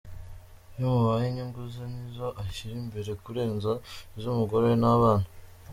Iyo mubanye inyungu ze ni zo ashyira imbere kurenza iz’umugore we n’abana.